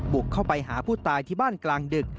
บุกเข้าไปหาผู้ตายที่บ้านกลางดึก